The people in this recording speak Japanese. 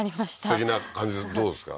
すてきな感じでどうですか？